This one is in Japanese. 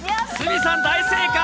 鷲見さん、大正解。